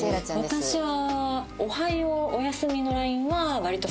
「私は」？